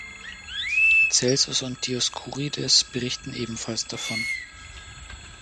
Celsus und Dioskurides berichten ebenfalls davon.